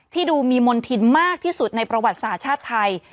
ดูมีมณฑินมากที่สุดในประวัติศาสตร์ชาติไทย